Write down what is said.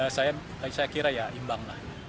saya kira ya imbang lah